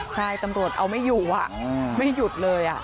ใช่ตำรวจเอาไม่อยู่ไม่หยุดเลย